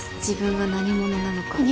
自分が何者なのか。